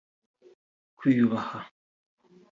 kwiyubaha